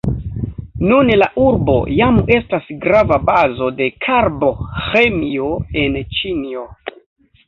Nun la urbo jam estas grava bazo de Karbo-ĥemio en Ĉinio.